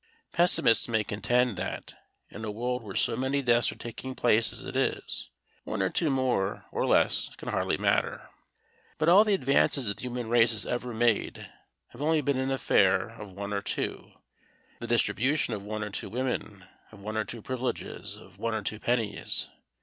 Pessimists may contend that, in a world where so many deaths are taking place as it is, one or two more or less can hardly matter. But all the advances the human race has ever made have only been an affair of one or two the distribution of one or two women, of one or two privileges, of one or two pennies.